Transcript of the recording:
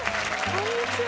こんにちは。